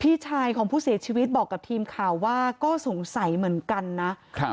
พี่ชายของผู้เสียชีวิตบอกกับทีมข่าวว่าก็สงสัยเหมือนกันนะครับ